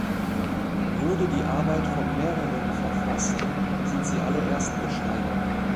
Wurde die Arbeit von mehreren verfasst, sind sie alle Erstbeschreiber.